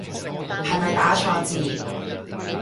係咪打錯字